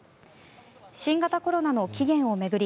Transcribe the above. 新型コロナの起源を巡り